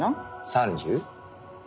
３０？